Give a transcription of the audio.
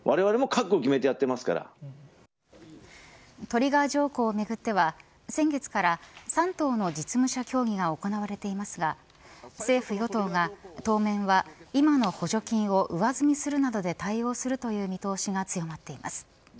トリガー条項をめぐっては先月から３党の実務者協議が行われていますが政府、与党が当面は今の補助金を上積みするなどで対応するとの見通しが強まってます。